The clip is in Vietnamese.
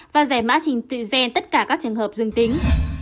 và giải mã trình tự gen tất cả các trường hợp dương tính